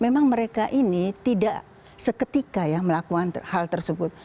memang mereka ini tidak seketika ya melakukan hal tersebut